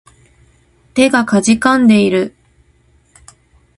手が悴んでいる